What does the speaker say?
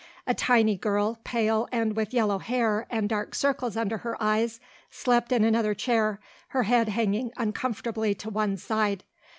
A tiny girl, pale and with yellow hair and dark circles under her eyes, slept in another chair, her head hanging uncomfortably to one side.